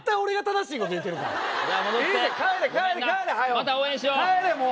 また応援しよう。